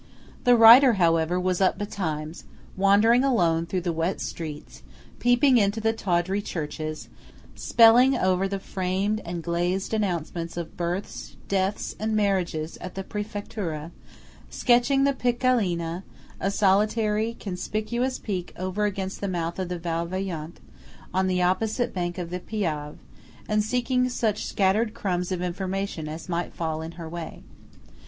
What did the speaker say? The writer, however, was up betimes, wandering alone through the wet streets; peeping into the tawdry churches; spelling over the framed and glazed announcements of births, deaths, and marriages at the Prefettura; sketching the Pic Gallina, a solitary conspicuous peak over against the mouth of the Val Vajont, on the opposite bank of the Piave; and seeking such scattered crumbs of information as might fall in her way.